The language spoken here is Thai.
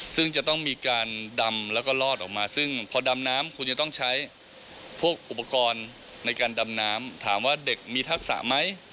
ซึ่งจะต้องมีการดำแล้วก็ลอดออกมาซึ่งพอดำน้ำคุณจะต้องใช้พวกอุปกรณ์ในการดำน้ำถามว่าเด็กมีทักษะไหม